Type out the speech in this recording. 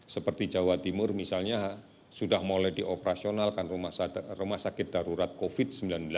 seperti jawa timur misalnya sudah mulai dioperasionalkan rumah sakit darurat covid sembilan belas